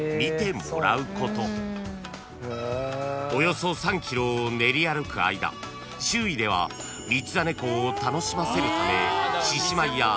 ［およそ３ｋｍを練り歩く間周囲では道真公を楽しませるため］